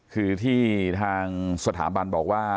คือที่ทางสถาบันบอกว่า